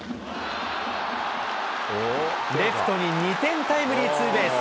レフトに２点タイムリーツーベース。